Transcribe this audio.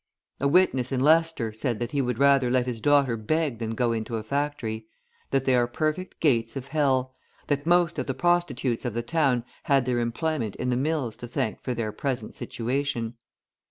A witness in Leicester said that he would rather let his daughter beg than go into a factory; that they are perfect gates of hell; that most of the prostitutes of the town had their employment in the mills to thank for their present situation.